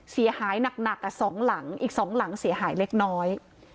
เสียหายหนักหนักกับสองหลังอีกสองหลังเสียหายเล็กน้อย